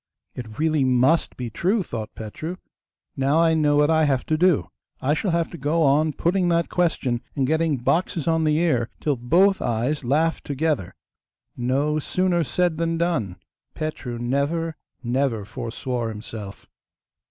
'It really MUST be true,' thought Petru. 'Now I know what I have to do. I shall have to go on putting that question, and getting boxes on the ear, till both eyes laugh together.' No sooner said than done. Petru never, never forswore himself.